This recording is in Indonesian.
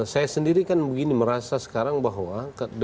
saya sendiri kan begini merasa sekarang bahwa